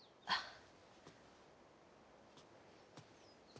あっ。